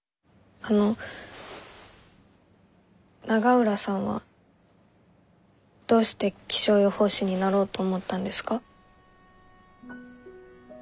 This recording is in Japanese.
あの永浦さんはどうして気象予報士になろうと思ったんですか？